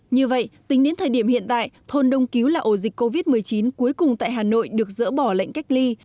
như vậy tính đến thời điểm hiện tại thôn đông cứu là ổ dịch covid một mươi chín cuối cùng tại hà nội được dỡ bỏ lệnh cách ly